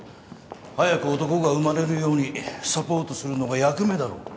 早く男が生まれるようにサポートするのが役目だろう？